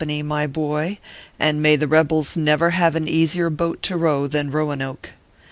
my boy, and may the rebels never have an easier boat to row than Roanoke.